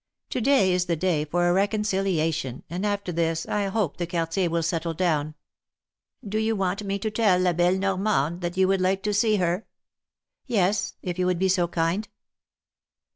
To day is the day for a reconciliation, and after tliis I hope the Quartier will settle down." Do you want me to tell La belle Normande that you would like to see her ?" THE MARKETS OP PARIS. 293 ^'Yes; if you would be so kind.